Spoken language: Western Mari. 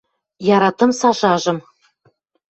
Яратым Сашажым